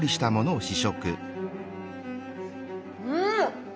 うん！